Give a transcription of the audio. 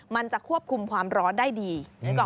มันจะควบคุมความร้อนได้ดี